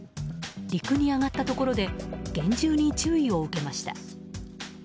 陸に上がったところで厳重に注意を受けました。